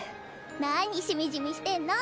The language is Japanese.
なにしみじみしてんの？